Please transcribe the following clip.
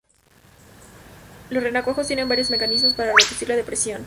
Los renacuajos tienen varios mecanismos para reducir la depresión.